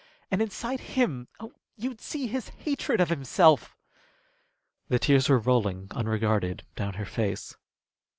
And inside him oh, you'd see his hatred of himself!" The tears were rolling unregarded down her face.